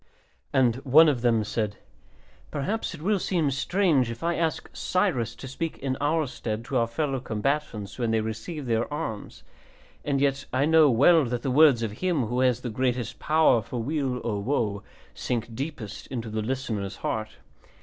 And one of them said, "Perhaps it will seem strange if I ask Cyrus to speak in our stead to our fellow combatants when they receive their arms, and yet I know well that the words of him who has the greatest power for weal or woe sink deepest into the listener's heart.